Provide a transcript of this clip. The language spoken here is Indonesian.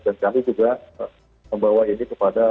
dan kami juga membawa ini kepada